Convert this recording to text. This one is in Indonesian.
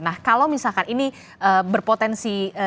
nah kalau misalkan ini berpotensi